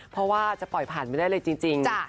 เพราะว่าจะปล่อยผ่านไม่ได้เลยจริง